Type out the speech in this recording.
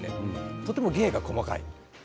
とても芸が細かいんです。